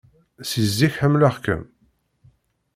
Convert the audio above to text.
Si zik ḥemmleɣ-kem.